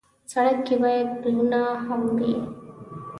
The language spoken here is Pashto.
سړک کې باید پلونه هم وي.